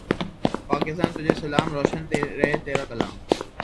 پاکستان تجھے سلام۔ روشن رہے تیرا کلام